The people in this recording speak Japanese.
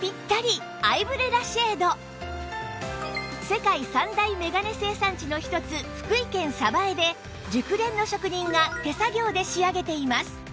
世界三大眼鏡生産地の一つ福井県江で熟練の職人が手作業で仕上げています